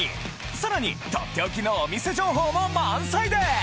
さらにとっておきのお店情報も満載です！